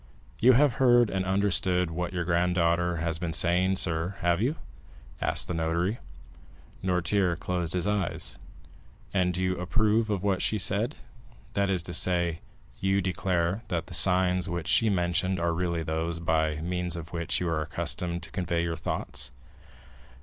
"You have heard and understood what your granddaughter has been saying, sir, have you?" asked the notary. Noirtier closed his eyes. "And you approve of what she said—that is to say, you declare that the signs which she mentioned are really those by means of which you are accustomed to convey your thoughts?"